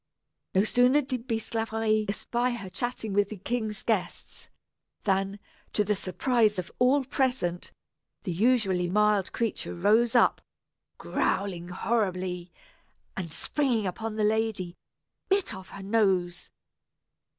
No sooner did Bisclaveret espy her chatting with the king's guests, than, to the surprise of all present, the usually mild creature rose up, growling horribly and, springing upon the lady, bit off her nose.